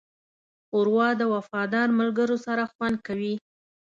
ښوروا د وفادار ملګرو سره خوند کوي.